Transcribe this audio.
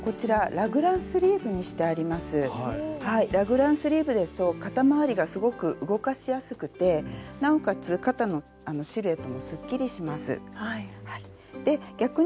ラグランスリーブですと肩まわりがすごく動かしやすくてなおかつ肩のシルエットもすっきりします。